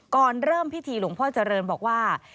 ก่อนเริ่มพิธีหลวงพ่อเจริญบอกว่า